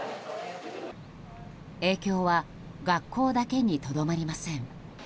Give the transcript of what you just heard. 影響は学校だけにとどまりません。